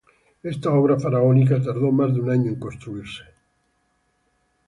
Esta obra faraónica tardó más de un año en construirse.